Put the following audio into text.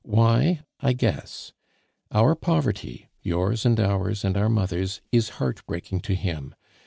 Why, I guess. Our poverty, yours, and ours, and our mother's, is heartbreaking to him.